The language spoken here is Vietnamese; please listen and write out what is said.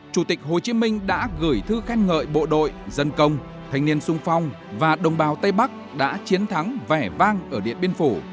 chủ tịch hồ chí minh đã gửi thư khen ngợi bộ đội dân công thanh niên sung phong và đồng bào tây bắc đã chiến thắng vẻ vang ở điện biên phủ